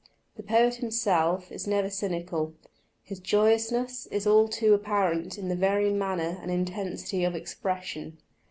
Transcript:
The poet himself is never cynical; his joyousness is all too apparent in the very manner and intensity of expression.